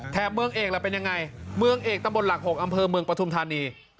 เมืองเอกล่ะเป็นยังไงเมืองเอกตำบลหลัก๖อำเภอเมืองปฐุมธานี